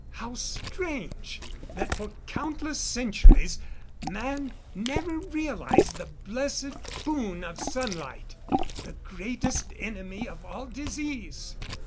How strange that for countless centuries, man never realized the blessed boon of sunlight the greatest enemy of all disease!